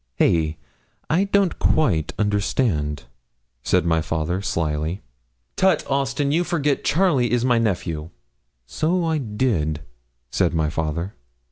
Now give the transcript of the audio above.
'Hey! I don't quite understand,' said my father, slily. 'Tut! Austin; you forget Charlie is my nephew.' 'So I did,' said my father.